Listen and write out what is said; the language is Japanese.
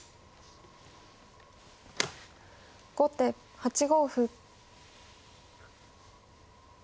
後手８五歩。